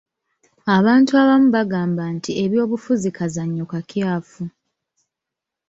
Abantu abamu bagamba nti ebyobufuzi kazannyo kakyafu.